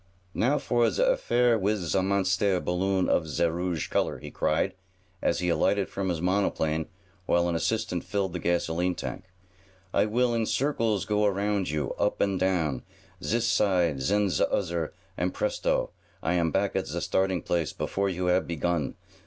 "Now for ze affaire wis ze monstaire balloon of ze rouge color!" he cried, as he alighted from his monoplane while an assistant filled the gasolene tank. "I will in circles go around you, up and down, zis side zen ze ozzer, and presto! I am back at ze starting place, before you have begun.